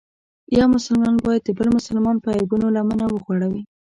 یو مسلمان باید د بل مسلمان په عیبونو لمنه وغوړوي.